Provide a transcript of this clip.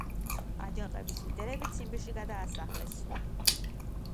აჯანყების ლიდერები ციმბირში გადაასახლეს.